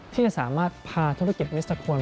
ที่จะสามารถพาธุรกิจมิสเตอร์โคน